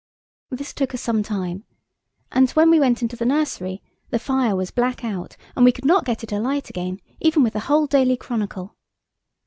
This took us some time, and when we went into the nursery the fire was black out, and we could not get it alight again, even with the whole Daily Chronicle.